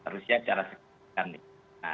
rusia secara sekalian